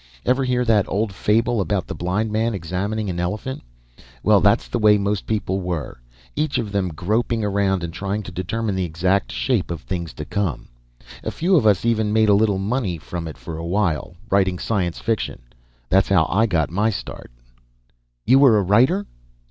Ever hear that old fable about the blind men examining an elephant? Well, that's the way most people were; each of them groping around and trying to determine the exact shape of things to come. A few of us even made a little money from it for a while, writing science fiction. That's how I got my start." "You were a writer?"